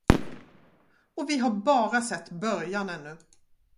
Och vi har bara sett början ännu.